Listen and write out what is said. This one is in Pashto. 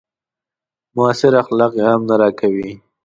معاصر اخلاق يې هم نه راکوي.